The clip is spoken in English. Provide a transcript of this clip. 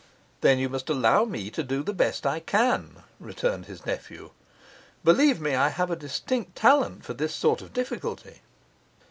'Then you must allow me to do the best I can,' returned his nephew. 'Believe me, I have a distinct talent for this sort of difficulty.